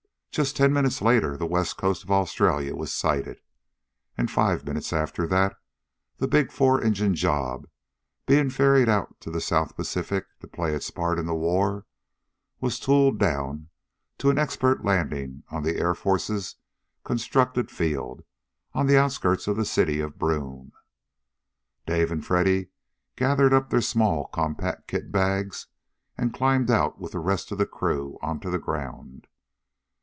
Just ten minutes later the west coast of Australia was sighted. And five minutes after that the big four engined job, being ferried out to the South Pacific to play its part in the war, was tooled down to an expert landing on the Air Forces constructed field on the outskirts of the city of Broome. Dave and Freddy gathered up their small and compact kit bags and climbed out with the rest of the crew onto the ground.